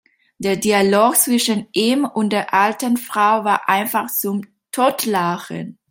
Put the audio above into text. Der Dialog zwischen ihm und der alten Frau war einfach zum Totlachen!